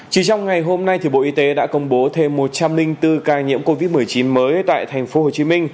chỉ trong ngày hôm nay bộ y tế đã công bố thêm một trăm linh bốn ca nhiễm covid một mươi chín mới tại tp hcm